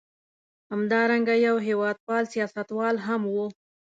همدارنګه یو هېواد پال سیاستوال هم و.